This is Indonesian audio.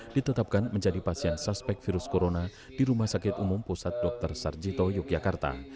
ditetapkan menjadi pasien suspek virus corona di rumah sakit umum pusat dr sarjito yogyakarta